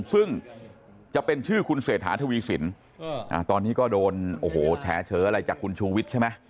ซึ่งจะเป็นชื่อคุณเศรษฐาทวีสินตอนนี้ก็โดนโอ้โหแฉเฉออะไรจากคุณชูวิทย์ใช่ไหม